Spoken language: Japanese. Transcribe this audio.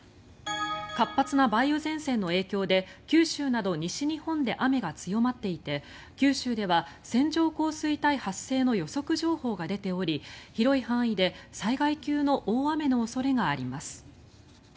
活発な梅雨前線の影響で九州など西日本で雨が強まっていて九州では線状降水帯発生の予測情報が出ており広い範囲で災害級の大雨の恐れがあります。